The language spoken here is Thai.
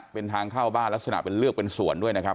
เป็นทางเข้าบ้านลักษณะเป็นเลือกเป็นส่วนด้วยนะครับ